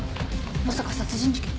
まさか殺人事件？